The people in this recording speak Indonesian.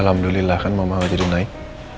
alhamdulillah kan mama lo jadi naik